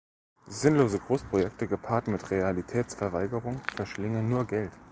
Sinnlose Großprojekte, gepaart mit Realitätsverweigerung, verschlingen nur Geld.